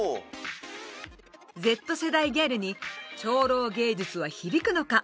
Ｚ世代ギャルに超老芸術は響くのか？